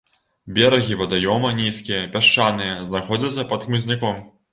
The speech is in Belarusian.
Берагі вадаёма нізкія, пясчаныя, знаходзяцца пад хмызняком.